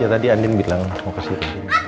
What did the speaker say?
ya tadi andin bilang mau kesini